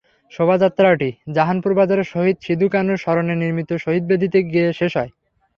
শোভাযাত্রাটি জাহানপুর বাজারে শহীদ সিধু-কানুর স্মরণে নির্মিত শহীদবেদিতে গিয়ে শেষ হয়।